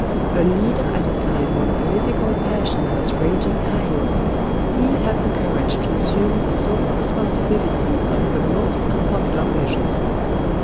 A leader at a time when political passion was raging highest, he had the courage to assume the sole responsibility of the most unpopular measures.